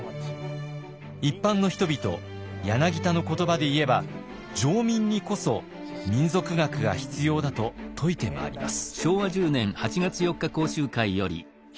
一般の人々柳田の言葉でいえば常民にこそ民俗学が必要だと説いて回ります。